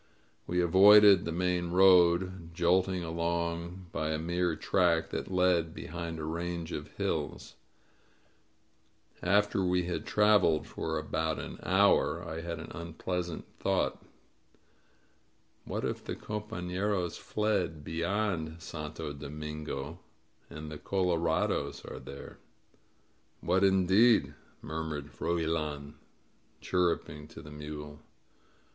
We avoided the main road, jolting along by a mere track that led behind a range of hills. After we'd traveled for about an hour, I had an unpleasant thought. What if the compafleros fled beyond Santo Do mingo and the color ados are there?" "What indeed?" murmured Froilan, chirruping to the mule.